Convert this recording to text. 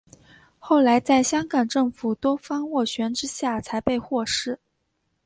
后来在香港政府多方斡旋之下才被获释。